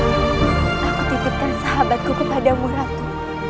aku titipkan sahabatku kepadamu ratu